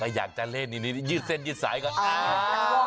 ก็อยากจะเล่นอีนยืดเส้นยืดสายก็อ้าว